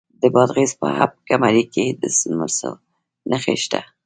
د بادغیس په اب کمري کې د مسو نښې شته.